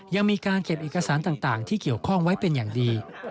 ยังมีการเก็บเอกสารต่างที่เกี่ยวข้องไว้เป็นอย่างดี